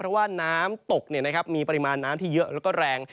เพราะว่าน้ำตกมีปริมาณน้ำที่เยอะแล้วก็แรง